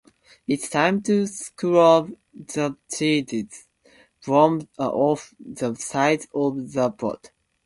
It’s time to scrub the cheese off the sides of the pot.